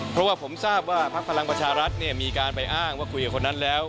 เพราะว่าผมทราบว่าพักพลังประชารัฐมีการไปอ้างว่าคุยกับคนนั้นแล้ว